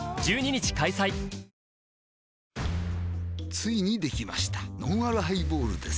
ついにできましたのんあるハイボールです